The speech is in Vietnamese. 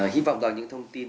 hy vọng là những thông tin